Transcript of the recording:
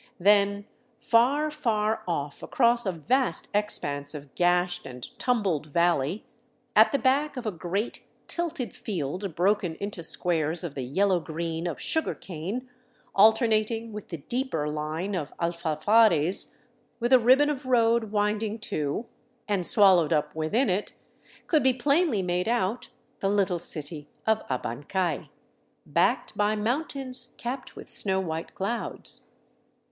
Then, far, far off across a vast ex panse of gashed and tumbled valley, at the back of a great tilted field broken into squares of the yellow green of sugar cane, alternating with the deeper line of alfalfares, with a ribbon of road winding to, and swallowed up within it, could be plainly made out the little city of Abancay, backed by mountains capped with snow white clouds.